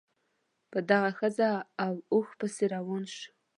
په دغه ښځه او اوښ پسې روان شو.